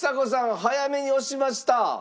早めに押しました。